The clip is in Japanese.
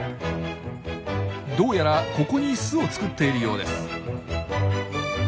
どうやらここに巣を作っているようです。